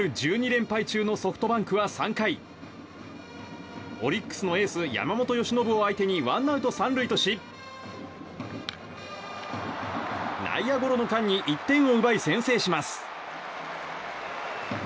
連敗中のソフトバンクは３回、オリックスのエース山本由伸を相手にワンアウト３塁とし内野ゴロの間に１点を奪い、先制します。